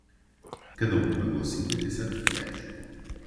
Cada um pagou cinquenta e sete reais.